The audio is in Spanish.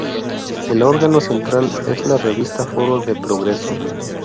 El órgano central es la revista Foro de Progreso.